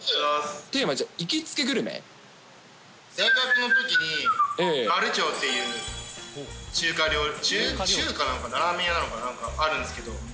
テーマ、大学のときに、丸長っていう中華料理、中華なのか、ラーメン屋なのかあるんですけど。